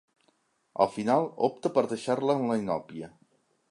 Al final opta per deixar-la en la inòpia.